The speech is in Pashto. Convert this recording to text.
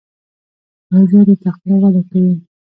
روژه د تقوا وده کوي.